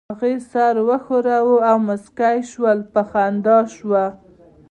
هغې سر وښوراوه او موسکۍ شول، په خندا شوه.